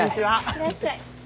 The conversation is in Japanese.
いらっしゃい！